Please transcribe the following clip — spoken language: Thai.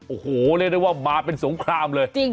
โอ้โหเล่นยังว่ามาเป็นสงครามเลย